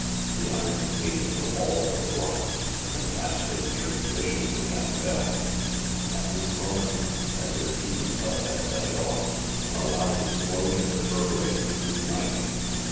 The iron gate in the wall was locked, and Astro jerked viciously at the bell. At this moment, as if he himself had set it off, a loud explosion reverberated through the night.